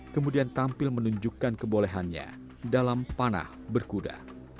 kemudian tampil menunjukkan kebolehannya dalam panah berkuda